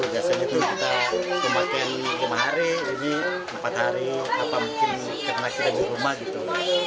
biasanya tuh kita pemakaian lima hari jadi empat hari apa mungkin karena kita di rumah gitu